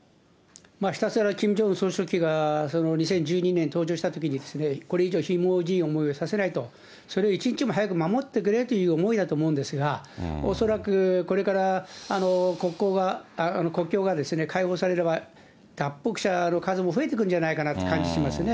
ひたすらキム・ジョンウン総書記が２０１２年に登場したときに、これ以上ひもじい思いをさせないと、それを一日も早く守ってくれという思いだと思うんですが、恐らくこれから国境が開放されれば、脱北者の数も増えてくるんじゃないかなという感じしますね。